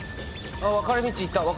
分かれ道行った。